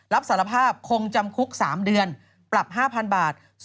สารคงจำคุก๓เดือนปรับ๕๐๐๐บาท